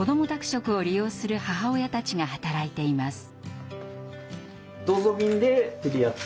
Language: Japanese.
食を利用する母親たちが働いています。